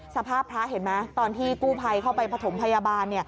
สภาพพระเห็นไหมตอนที่กู้ภัยเข้าไปผสมพยาบาล